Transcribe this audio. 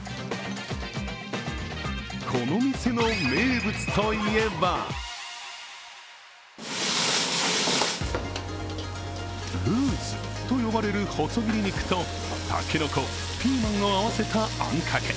この店の名物といえばルースと呼ばれる細切り肉とたけのこ、ピーマンを合わせたあんかけ。